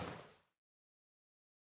bersama siapa pak